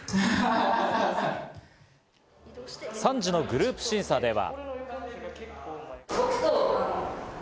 ３次のグループ審査では。